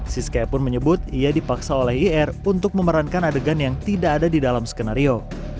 siskaya pun menyebut ia dipaksa oleh ir untuk memerankan adegan yang tidak ada di dalam skenario